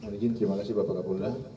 mohon izin terima kasih bapak kapolda